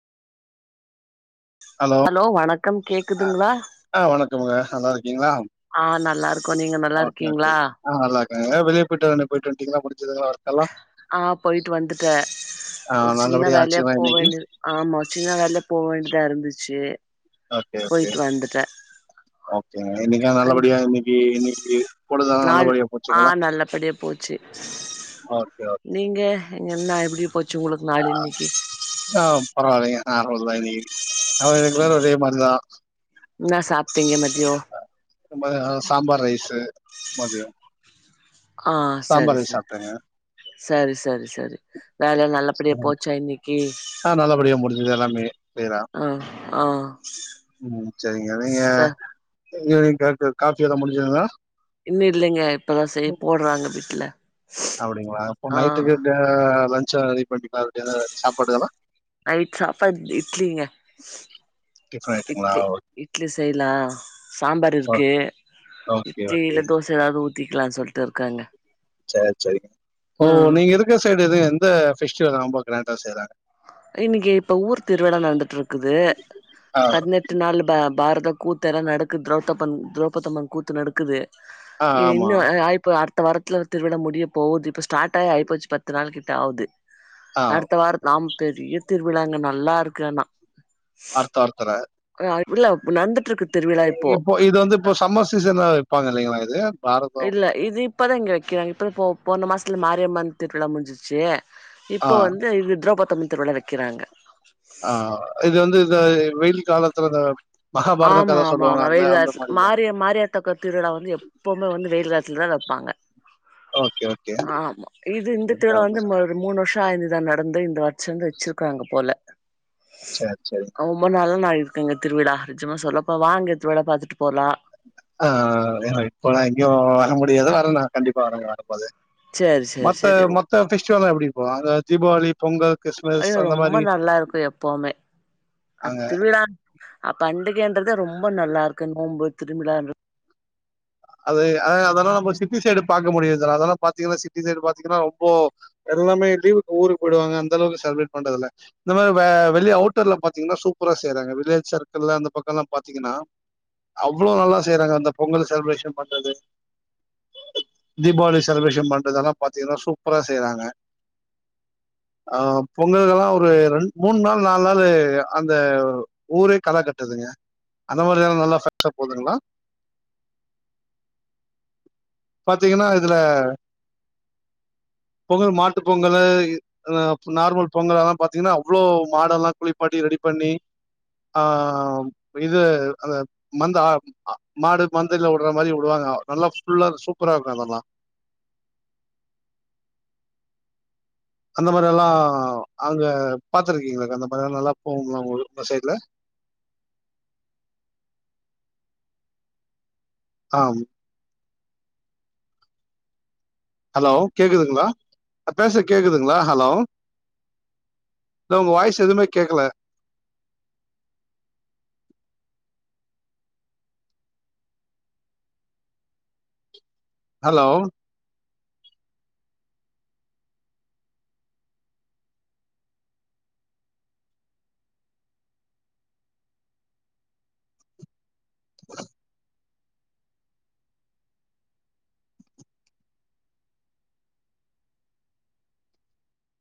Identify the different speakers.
Speaker 1: Hello வணக்கம்
Speaker 2: அஹ்
Speaker 1: கேக்குதுங்களா
Speaker 2: ஆஹ் வணக்கமுங்க நல்லா இருக்கீங்களா
Speaker 1: ஆஹ் நல்லா இருக்கோ நீங்க நல்லா இருக்கீங்ளா
Speaker 2: பாக்ராங்களா வெளிய போய்ட்டு வறன்னிங்க போயிட்டு வண்ட்டிங்களா முடு
Speaker 1: ஆமா போயிட்டு வந்துட்டே
Speaker 2: ஆ
Speaker 1: ஒரு சின்ன
Speaker 2: நல்லபடியா
Speaker 1: வேலையா
Speaker 2: ஆச்சுங்களா இன்னைக்கு
Speaker 1: போவேண்டியது ஆமா சின்ன வேல போவேண்டியதா இருந்துச்சு
Speaker 2: ஓகே ஓகே
Speaker 1: போயிட்டு வந்துட்டே
Speaker 2: ஓகேங்க நீங்க
Speaker 1: அன்
Speaker 2: நல்லபடியா இன்னைக்கு இன்னைக்கு பொழுதெல்லா
Speaker 1: நாள்
Speaker 2: நல்லபடியா போச்சுங்களா
Speaker 1: ஆஹ் நல்லபடியா போச்சு
Speaker 2: ஓகே ஓகே
Speaker 1: நீங்க எங்கன போச்சு உங்களுக்கு நாள் இன்னக்கு
Speaker 2: பரவாலங்க ஆஹ் அவ்ளோதா இன்னிக்கு அவன் ரெண்டு பேரு ஒரே மாரிதா
Speaker 1: நா சாப்
Speaker 2: சாம்பார் ரைஸூ மதியம்
Speaker 1: ஆஹ் சரி சரி சரி சரி சரி வேல நல்லபடியா போச்சா இன்னக்கி
Speaker 2: இதெல்லாமே
Speaker 1: ஆஹ் ஆஹ்
Speaker 2: ம் சரிங்க நீங்க இங்க கேக்கு காபியெல்லா முடுஞ்சுதுங்களா
Speaker 1: இன்னு இல்லங்க. இப்பதா செய்ய போடுறாங்க வீட்ல.
Speaker 2: அப்டிங்களா அப்போ
Speaker 1: ஆ
Speaker 2: நைட்டுக்கு ஆ சரி பண்ணி பாத்டிங்களா சாப்பாடுக்கெலா
Speaker 1: நைட் சாப்பாட் இட்லிங்க.
Speaker 2: டிஃபன் ஐட்டங்களா?
Speaker 1: இட்லி இட்லி செய்லா சாம்பார்
Speaker 2: ஓ
Speaker 1: இருக்கு
Speaker 2: ஓகே,
Speaker 1: இட்லி
Speaker 2: ஓகே.
Speaker 1: இல்ல தோச ஏதாது ஊ திக்கலானு சொல்லிட்டு இருக்காங்க
Speaker 2: சரி சரிங்க ஓ
Speaker 1: ஆ
Speaker 2: நீங்க இருக்க சைடு இருக்கு அந்த ஃபெஸ்டிவல் ரொம்ப கிராண்டா செய்றாங்க
Speaker 1: இன்னக்கு இப்ப ஊர் திருவிழா நடந்துட்டு இருக்குது.
Speaker 2: ஆ,
Speaker 1: பதினெட்டு நாள் ப பாரத கூத்தெல்லா நடக்கு த்ரௌத்தப்பன் த்ரௌபதம்மன் கூத்து நடக்குது
Speaker 2: ஆ ஆமா.
Speaker 1: இன்னும் அயப்போ அ அடுத்த வாரத்துல திருவிழா முடிய போவுது இப்போ ஸ்டார்ட் ஆயி ஆயிப்போச்சு பத்து நாள் கிட்ட ஆவுது
Speaker 2: ஆ
Speaker 1: அடுத்த வாரம் நாம் பெரிய திருவிழாங்க நல்லா இருக்கு ஆனா
Speaker 2: அர்த்த அர்த்தர
Speaker 1: புல்லா புனந்து
Speaker 2: இப்போ இது வந்து இப்போ சம்மர் சீசனா ப்பாங்க இல்லைங்களா இதுல
Speaker 1: இல்ல இது இப்பதா இங்க வெக்கிறாங்க இப்பதா போ போன மாசத்துல மாரியம்மன் திருவிழா முடிஞ்சிச்சு
Speaker 2: ஆ,
Speaker 1: இப்ப வந்து இது திரௌபத் தமிழ் திருவிழா வெக்கிறாங்க
Speaker 2: ஆஹ் இது வந்து இத வெயில் காலத்துல இத
Speaker 1: ஆமா ஆமா ஆமா வெயில் காலத் மாரி மாரியாத்தாகோயில் திருவிழா வந்து எப்பவுமே வந்து வெயில் காலத் சில்ர வெப்பாங்க
Speaker 2: ஓகே, ஓகே.
Speaker 1: ஆமா இது இந்த திருவிழா வந்து ஒரு மூணு வருஷ் சாய்ந்து தா நடந்து இந்த வருஷதா வச்சிருக்காங்க போல
Speaker 2: சேர் செரி
Speaker 1: நா இருக்குங்க திருவிழா நிஜமா சொல்லப்ப வாங்க திருவிழா பாத்துட்டு போலா
Speaker 2: ஆஹ் ஏன்னா இப்போலா எங்கயோ வர முடியாது வர்றனா கண்டிப்பா வர்றனா பப்ப அதே
Speaker 1: சேரி சேரி
Speaker 2: மத்த
Speaker 1: சேரி
Speaker 2: மொத்த பிஷ்ல்லா எப்பயிருக்கு அங்க தீபாவளி பொங்கல் கிறிஸ்மஸ்
Speaker 1: ஐயோ
Speaker 2: அந்த
Speaker 1: ரொம்ப
Speaker 2: மாரி
Speaker 1: நல்லா இருக்கு எப்பவுமே அ
Speaker 2: அங்க
Speaker 1: திருவிழா அப் பண்டிக் வேண்டறது ரொம்ப நல்லா இருக்கு நோம்பு திருவிழான்
Speaker 2: அது அ அதல்லா நம்ம சிட்டி சைடு பாக்க முடியுது அதெல்லா பாத்தீங்கன்னா சிட்டி சைடு பாத்தீங்கன்னா ரொம்போ எல்லாமே லீவுக்கு ஊருக்கு போயிடுவாங்க அந்த அளவுக்கு செலிபரேட் பன்றதில்ல இந்த மாரி வ வெளிய அவுட்டர்ல பாத்தீங்கன்னா சூப்பரா செய்றாங்க வில்லேஜ் சர்க்கிள்ல அந்த பக்கல்லா பாத்தீங்கன்னா அவ்ளோ நல்லா செய்யறாங்க அந்த பொங்கல் செலிப்ரேஷன் பண்றது தீபாளி செலிப்ரேஷன் பண்றதெல்லா பாத்தீங்கன்னா சூப்பரா செய்யறாங்க ஆஹ் பொங்கல்கெலா ஒரு ரெண்டு மூணு நாள் நாலு நாள் அந்த ஊரே களை கட்டுதுங்க அந்த மாரிலா நல்லா [unintelligible] போதுங்களா பாத்தீங்கன்னா இதுல பொங்கல் மாட்டு பொங்கலு இ அ நார்மல் பொங்கலெல்லா பாத்தீங்கன்னா அவ்ளோ மாடெல்லா குளிப்பாட்டி ரெடி பண்ணி ஆஹ் இது அந்த மந்த அ மாடு மந்தையில வுடற மாரி வுடுவாங்க நல்லா ஃபுல்லா சூப் சூப்பரா இருக்கு அதல்லா அந்த மாரி எல்லா அங்க பாத்துருக்கீங்கள அந்த மாரி எல்லா நல்லா போவுங்கள உங்க ஊரு சைட்ல ஆம் ஹலோ கேக்குதுங்களா நா பேசற கேக்குதுங்களா ஹலோ இல்ல உங்க வாய்ஸ் எதுவுமே கேக்கல ஹலோ [unintelligible]